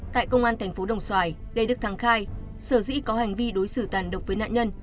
tại công an thành phố đồng xoài lê đức thắng khai sở dĩ có hành vi đối xử tàn độc với nạn nhân